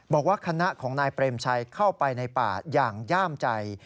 บอกว่าคณะของนายเปรมชัยเข้าไปในป่าอย่างย่ามใจ